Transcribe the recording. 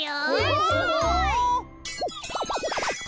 えすごい！